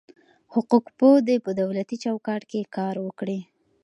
حقوق پوه دي په دولتي چوکاټ کي کار وکي.